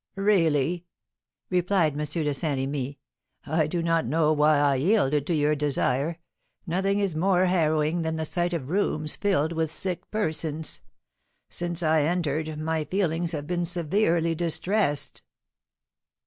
"Really," replied M. de Saint Remy, "I do not know why I yielded to your desire; nothing is more harrowing than the sight of rooms filled with sick persons. Since I entered, my feelings have been severely distressed."